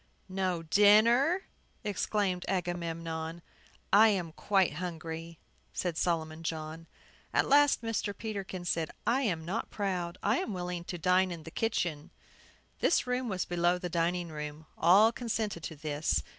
"No dinner!" exclaimed Agamemnon. "I am quite hungry," said Solomon John. At last Mr. Peterkin said, "I am not proud. I am willing to dine in the kitchen." This room was below the dining room. All consented to this.